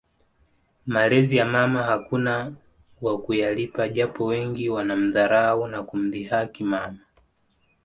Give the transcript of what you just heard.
Malezi ya mama hakuna wa kuyalipa japo wengi wanamdharau na kumdhihaki mama